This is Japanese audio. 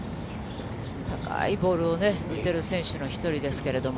高いボールをね、打てる選手の一人ですけれども。